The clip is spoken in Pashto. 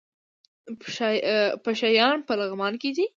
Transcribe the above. پشه یان په لغمان کې دي؟